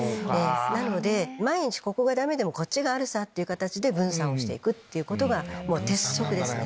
なので万一ここがダメでもこっちがあるさ！っていう形で分散をしていくっていうことが鉄則ですね。